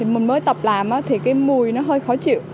mình mới tập làm thì cái mùi nó hơi khó chịu